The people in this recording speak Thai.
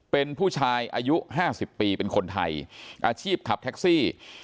เป็นผู้ชายอายุ๕๐ปีเป็นคนไทยอาชีพขับแท็กซี่